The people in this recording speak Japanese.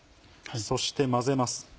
そして混ぜます。